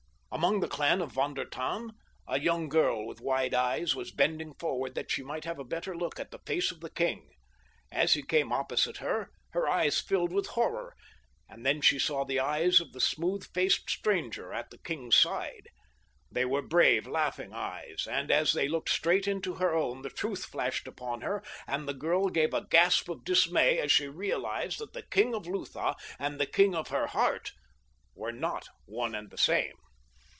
Among the clan of Von der Tann a young girl with wide eyes was bending forward that she might have a better look at the face of the king. As he came opposite her her eyes filled with horror, and then she saw the eyes of the smooth faced stranger at the king's side. They were brave, laughing eyes, and as they looked straight into her own the truth flashed upon her, and the girl gave a gasp of dismay as she realized that the king of Lutha and the king of her heart were not one and the same.